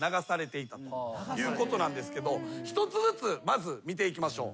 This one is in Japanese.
１つずつまず見ていきましょう。